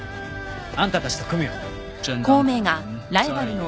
あんたたちと組むよ。